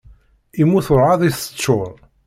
Immut urɛad i s-teččuṛ.